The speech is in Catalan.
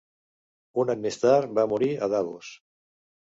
Un any més tard va morir a Davos.